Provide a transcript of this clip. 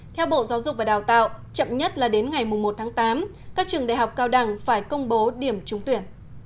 theo bộ giáo dục và đào tạo chậm nhất là đến ngày một tháng tám các trường đại học cao đẳng phải công bố điểm trúng tuyển